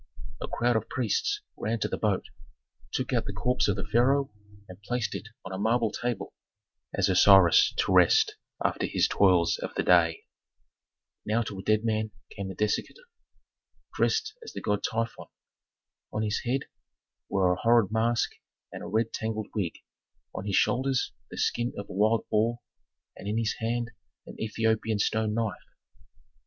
A crowd of priests ran to the boat, took out the corpse of the pharaoh and placed it on a marble table, as Osiris to rest after his toils of the day. Now to the dead man came the dissector, dressed as the god Typhon. On his head were a horrid mask and a red tangled wig, on his shoulders the skin of a wild boar, and in his hand an Ethiopian stone knife.